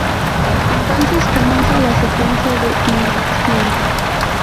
Entonces comienza la secuencia de ignición.